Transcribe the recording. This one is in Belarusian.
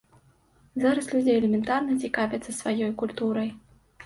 Зараз людзі элементарна цікавяцца сваёй культурай.